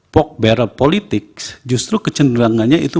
pock barrel politik justru kecenderangannya itu